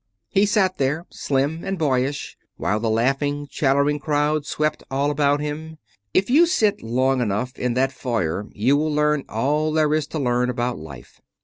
He sat there, slim and boyish, while the laughing, chattering crowd swept all about him. If you sit long enough in that foyer you will learn all there is to learn about life.